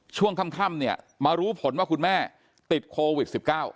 ช่วงค่ำเนี่ยมารู้ผลว่าคุณแม่ติดโควิด๑๙